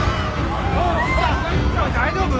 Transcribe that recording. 大丈夫！？